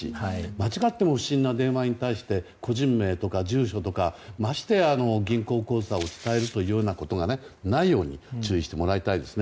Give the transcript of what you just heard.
間違っても不審な電話に対して個人名とか住所とかましてや銀行口座を伝えるというようなことがないように注意してもらいたいですね。